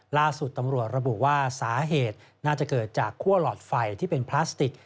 ล่าสุดตำรวจระบุว่าสาเหตุน่าจะเกิดจากคั่วหลอดไฟที่เป็นพลาสติก